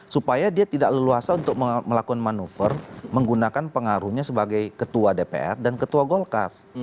supaya dia tidak leluasa untuk melakukan manuver menggunakan pengaruhnya sebagai ketua dpr dan ketua golkar